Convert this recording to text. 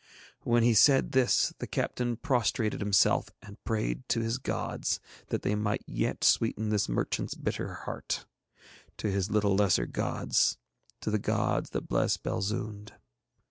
When he said this the captain prostrated himself and prayed to his gods that they might yet sweeten this merchant's bitter heart to his little lesser gods, to the gods that bless Belzoond.